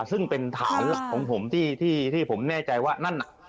ซึ่งเป็นฐานหลักของผมที่ผมแน่ใจว่านั่นน่ะ